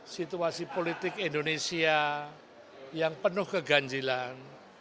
situasi politik indonesia yang penuh keganjilan